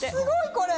これ。